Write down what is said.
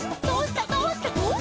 「どうした？」